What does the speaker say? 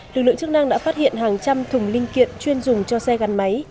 lực lượng chức năng đã phát hiện hàng trăm thùng linh kiện chuyên dùng cho xe gắn máy